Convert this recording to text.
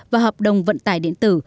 và hợp đồng vận tài điện tử